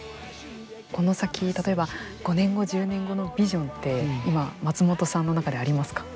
この先、例えば、５年後１０年後のビジョンって今、松本さんの中でありますか。